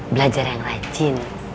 belajar yang rajin